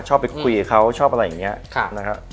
ไปคุยกับเขาชอบอะไรอย่างนี้นะครับ